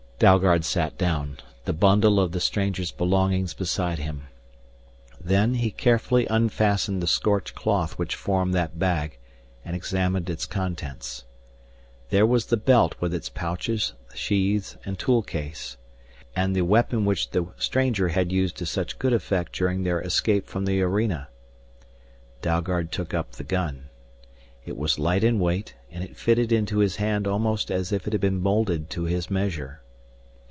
Dalgard sat down, the bundle of the stranger's belongings beside him. Then, he carefully unfastened the scorched cloth which formed that bag and examined its contents. There was the belt with its pouches, sheaths, and tool case. And the weapon which the stranger had used to such good effect during their escape from the arena. Dalgard took up the gun. It was light in weight, and it fitted into his hand almost as if it had been molded to his measure.